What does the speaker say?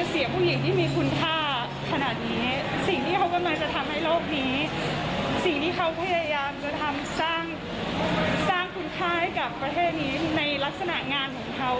สร้างคุณค่ายกับประเทศนี้ในลักษณะงานของเขา